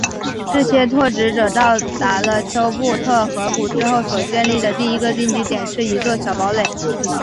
这些拓殖者到达了丘布特河谷之后所建立的第一个定居点是一座小堡垒。